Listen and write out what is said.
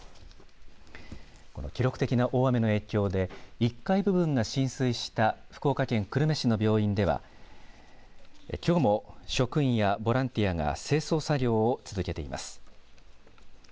この記録的な大雨の影響で１階部分が浸水した福岡県久留米市の病院ではきょうも職員やボランティアが清掃作業を続けています。